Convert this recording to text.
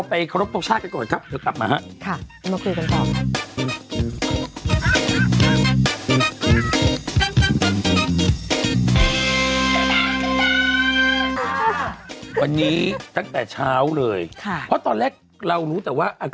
เพราะตอนแรกเรารู้แต่ว่า